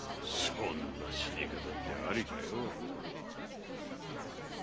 そんな死に方ってありかよ。